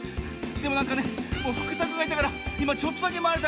でもなんかねフクタクがいたからいまちょっとだけまわれた。